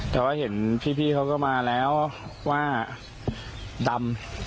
แต่ว่าเห็นพี่เขาก็มาแล้วว่าดำ